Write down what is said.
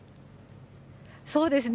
そうですね。